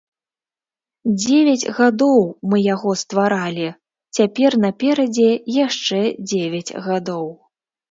Дзевяць гадоў мы яго стваралі, цяпер наперадзе яшчэ дзевяць гадоў.